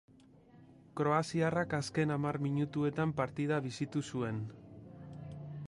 Kroaziarrak azken hamar minutuetan partida bizitu zuen.